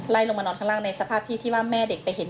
ลงมานอนข้างล่างในสภาพที่ที่ว่าแม่เด็กไปเห็น